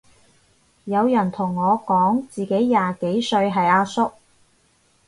有人同我講自己廿幾歲係阿叔